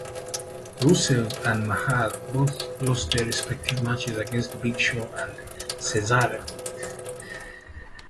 Rusev and Mahal both lost their respective matches against Big Show and Cesaro.